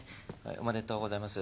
おめでとうございます。